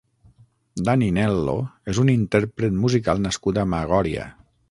Dani Nel·lo és un intérpret musical nascut a Magòria.